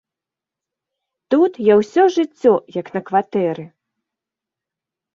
Тут я ўсё жыццё як на кватэры.